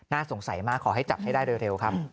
สงสัยมากขอให้จับให้ได้เร็วครับ